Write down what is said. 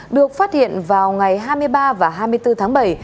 được phát hiện vào ngày hai mươi ba và hai mươi bốn tháng bảy